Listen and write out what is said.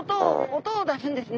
音を出すんですね。